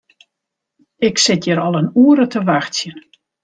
Ik sit hjir al in oere te wachtsjen.